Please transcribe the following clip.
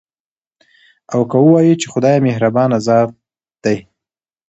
او که ووايو، چې خدايه مهربانه ذاته ده